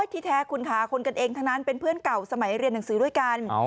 ที่แท้คุณค่ะคนกันเองทั้งนั้นเป็นเพื่อนเก่าสมัยเรียนหนังสือด้วยกัน